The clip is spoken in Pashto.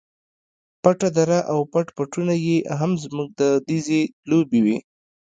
پټه دره او پټ پټونی یې هم زموږ دودیزې لوبې وې.